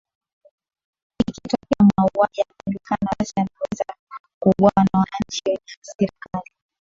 ikitokea muuaji akajulikana basi anaweza kuuwawa na wanachi wenye hasra kali kwa kuwa hakuna